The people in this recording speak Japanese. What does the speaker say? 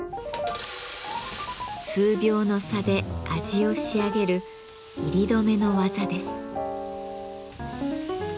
数秒の差で味を仕上げる煎り止めの技です。